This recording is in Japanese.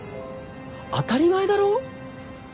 当たり前だろ。